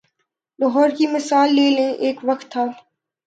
لاہور کی مثال لے لیں، ایک وقت تھا۔